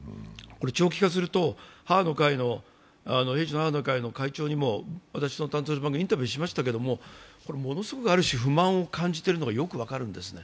長期化すると、兵士母の会の会長にもインタビューしましたけれども、ものすごく不満を感じているのがよく分かるんですね。